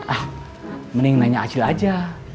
ah mending nanya acu aja